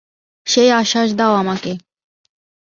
সেই আশ্বাস দাও আমাকে।